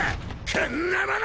こんなもの！